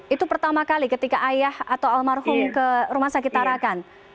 itu pertama kali ketika ayah atau almarhum ke rumah sakit tarakan